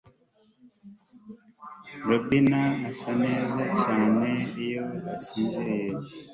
Robin asa neza cyane iyo asinziriye